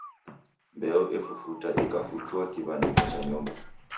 Mbeo efufuta ikafuchua kiw'aniko cha nyumba.